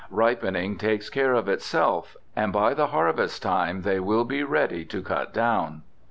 Ripening takes care of itself; and by the harvest time they will be ready to cut down.